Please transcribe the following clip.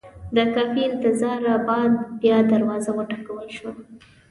د کافي انتظاره بعد بیا دروازه وټکول شوه.